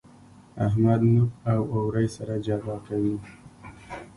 احمد نوک او اورۍ سره جلا کوي.